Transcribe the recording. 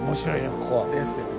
ここは。ですよね。